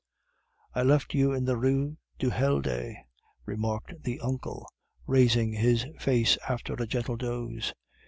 "I left you in the Rue du Helder," remarked the uncle, raising his face after a gentle doze.